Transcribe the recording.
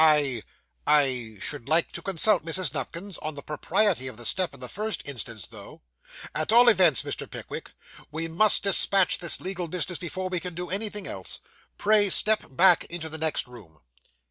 I I should like to consult Mrs. Nupkins on the propriety of the step, in the first instance, though. At all events, Mr. Pickwick, we must despatch this legal business before we can do anything else. Pray step back into the next room.